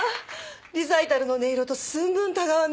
リサイタルの音色と寸分違わぬ見事な音。